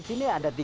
siap terima kasih